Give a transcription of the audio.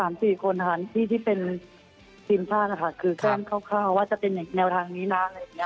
มากี่ทีที่เป็นชีวิตชาติคือที่แซมเข้าว่าจะเป็นแนวทางนี้นะ